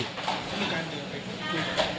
มันมีการเดินไปคุยกับใครครับ